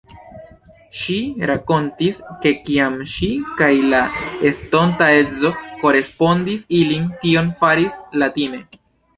Ŝi rakontis, ke kiam ŝi kaj la estonta edzo korespondis, ili tion faris latine.